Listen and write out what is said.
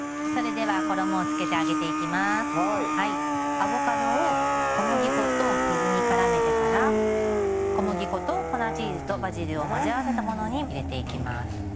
アボカドを小麦粉と水にからめてから小麦粉と粉チーズとバジルを混ぜ合わせたものに入れていきます。